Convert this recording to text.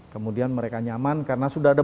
kemudian mereka nyaman karena sudah ada